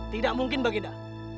tidak mungkin baginda